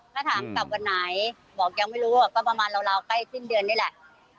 ถ้าถามกลับวันไหนบอกยังไม่รู้ก็ประมาณราวใกล้สิ้นเดือนนี่แหละ